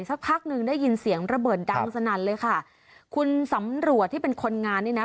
สักพักหนึ่งได้ยินเสียงระเบิดดังสนั่นเลยค่ะคุณสำรวจที่เป็นคนงานนี่นะ